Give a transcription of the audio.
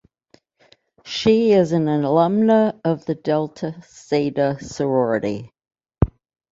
She is an alumna of the Delta Zeta sorority.